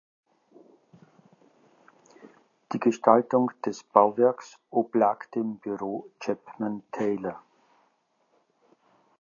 Die Gestaltung des Bauwerks oblag dem Büro Chapman Taylor.